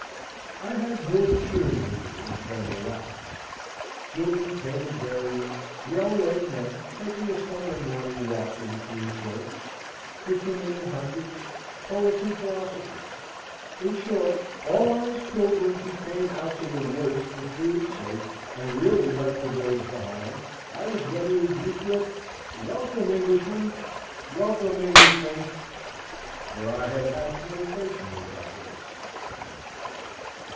I had more cheering visitors than the last. Children come a berrying, railroad men taking a Sunday morning walk in clean shirts, fishermen and hunters, poets and philosophers; in short, all honest pilgrims, who came out to the woods for freedom's sake, and really left the village behind, I was ready to greet with,—"Welcome, Englishmen! welcome, Englishmen!" for I had had communication with that race.